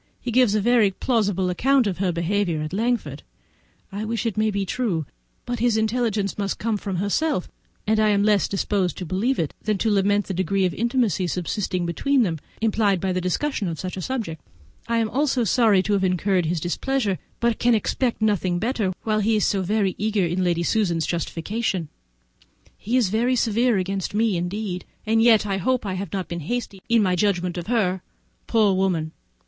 He gives a very plausible account of her behaviour at Langford; I wish it may be true, but his intelligence must come from herself, and I am less disposed to believe it than to lament the degree of intimacy subsisting between them, implied by the discussion of such a subject. I am sorry to have incurred his displeasure, but can expect nothing better while he is so very eager in Lady Susan's justification. He is very severe against me indeed, and yet I hope I have not been hasty in my judgment of her. Poor woman!